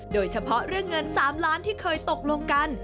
โดยเฉพาะเรื่องเงิน๓ล้านที่เคยตกลงกัน